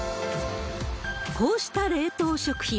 こうした冷凍食品。